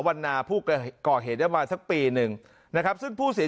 วันนาผู้ก่อเหตุได้มาสักปีหนึ่งนะครับซึ่งผู้เสีย